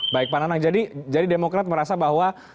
baik pak nanang jadi demokrat merasa bahwa